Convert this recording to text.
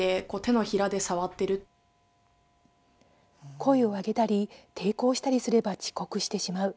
声を上げたり抵抗したりすれば遅刻してしまう。